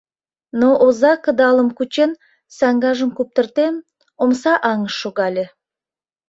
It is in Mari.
Но оза кыдалым кучен, саҥгажым куптыртен, омса аҥыш шогале: